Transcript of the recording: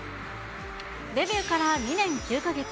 デビューから２年９か月。